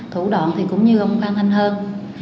thủ đoạn thì cũng như ông lan anh hơn